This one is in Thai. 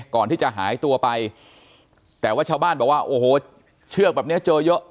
ก่อนที่จะหายตัวไปแต่ว่าชาวบ้านบอกว่าโอ้โหเชือกแบบนี้เจอเยอะ